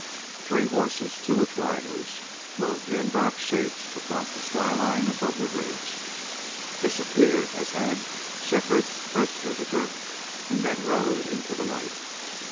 Three horses, two with riders, moved in dark shapes across the skyline above the ridge, disappeared as had Shefford's first visitor, and then rode into the light.